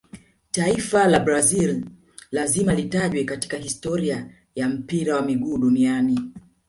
taifa la brazili lazima litajwe katika historia ya mpira wa miguu duniani